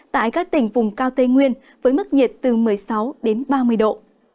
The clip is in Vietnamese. tại các tỉnh vùng cao tây nguyên với mức nhiệt từ một mươi sáu đến ba mươi độ